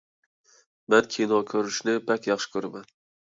مەن كىنو كۆرۈشنى بەك ياخشى كۆرىمەن.